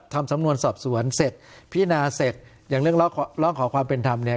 ทำสำนวนสอบสวนเสร็จพินาเสร็จอย่างเรื่องร้องขอความเป็นธรรมเนี่ย